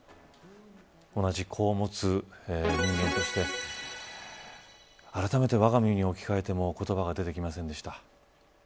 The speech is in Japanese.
同じ子を持つ人間としてあらためてわが身に置き換えても言葉が出てきませんでした。